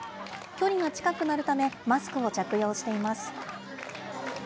距離が近くなるため、マスクを着用しています。